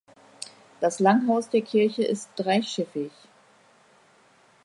Das Langhaus der Kirche ist dreischiffig.